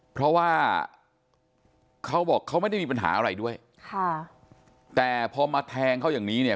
เพราะว่าเขาบอกเขาไม่ได้มีปัญหาอะไรด้วยค่ะแต่พอมาแทงเขาอย่างนี้เนี่ย